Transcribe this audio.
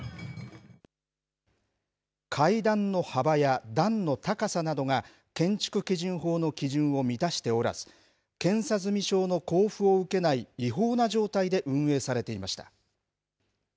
階段の幅や段の高さなどが、建築基準法の基準を満たしておらず、検査済証の交付を受けない違法な状態で運営されていました。